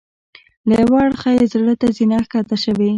له یوه اړخه یې زړه ته زینه ښکته شوې.